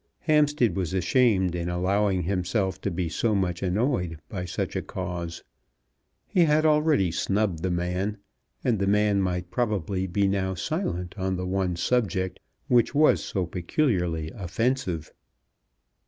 Hampstead was ashamed in allowing himself to be so much annoyed by such a cause. He had already snubbed the man, and the man might probably be now silent on the one subject which was so peculiarly offensive.